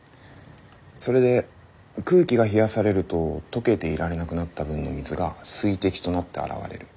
それで空気が冷やされると溶けていられなくなった分の水が水滴となって現れる。